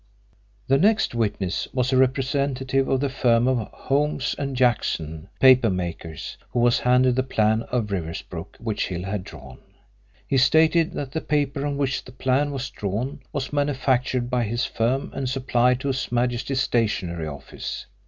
The next witness was a representative of the firm of Holmes and Jackson, papermakers, who was handed the plan of Riversbrook which Hill had drawn. He stated that the paper on which the plan was drawn was manufactured by his firm, and supplied to His Majesty's Stationery Office.